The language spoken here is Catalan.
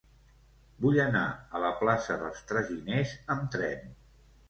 Vull anar a la plaça dels Traginers amb tren.